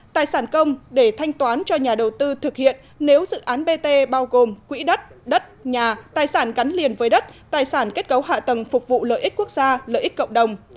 tài sản công để thanh toán cho nhà đầu tư thực hiện nếu dự án bt bao gồm quỹ đất đất nhà tài sản cắn liền với đất tài sản kết cấu hạ tầng phục vụ lợi ích quốc gia lợi ích cộng đồng